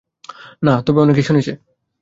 না, তবে অনেকেই শুনেছে।